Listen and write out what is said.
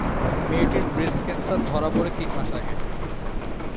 মেয়েটির breast cancer ধরা পরে তিন মাস আগে।